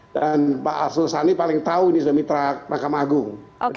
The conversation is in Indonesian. dan pak arsul sani paling tahu ini semitra mahkamah agung